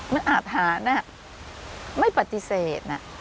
มันอาทหารไม่ปฏิเสธ